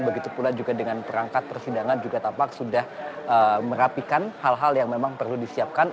begitu pula juga dengan perangkat persidangan juga tampak sudah merapikan hal hal yang memang perlu disiapkan